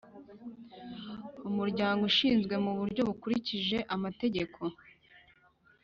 Umuryango ushinzwe mu buryo bukurikije amategeko